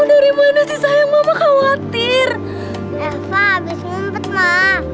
nanti main sama mama bersama mama